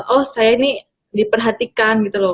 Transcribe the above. oh saya ini diperhatikan gitu loh